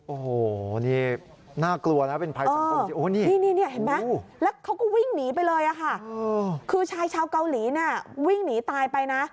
โอ้โฮนี่น่ากลัวนะเป็นภายสังคม